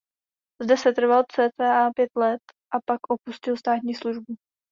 Zde setrval cca pět let a pak opustil státní službu.